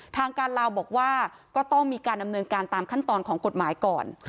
ทางการลาวบอกว่าก็ต้องมีการดำเนินการตามขั้นตอนของกฎหมายก่อน